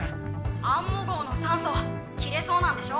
「アンモ号の酸素切れそうなんでしょ」。